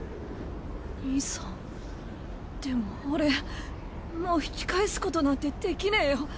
兄さんでも俺もう引き返すことなんてできねえよ。